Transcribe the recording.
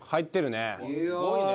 すごいね。